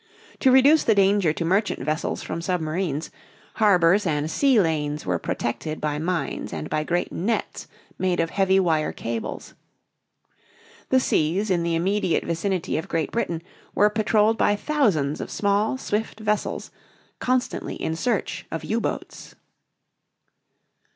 To reduce the danger to merchant vessels from submarines, harbors and sea lanes were protected by mines and by great nets made of heavy wire cables. The seas in the immediate vicinity of Great Britain were patrolled by thousands of small, swift vessels constantly in search of U boats.